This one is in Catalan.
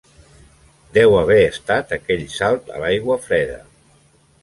Deu haver estat aquell salt a l'aigua freda.